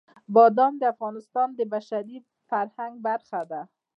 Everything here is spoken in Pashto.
بادام د افغانستان د بشري فرهنګ برخه ده.